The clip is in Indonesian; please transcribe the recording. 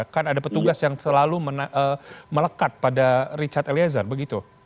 kan ada petugas yang selalu melekat pada richard eliezer begitu